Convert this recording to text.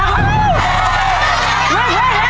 เรื่องรักษาสมัคร